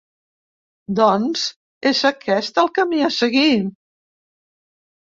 Doncs és aquest el camí a seguir!